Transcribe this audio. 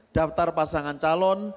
daftar pasangan calon